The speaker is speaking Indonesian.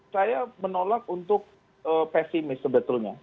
saya menolak untuk pesimis sebetulnya